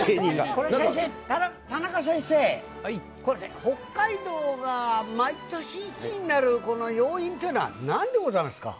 これ、田中先生、これ、北海道が毎年１位になるこの要因というのは、なんでございますか。